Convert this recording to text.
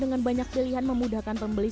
dengan banyak pilihan memudahkan pembeli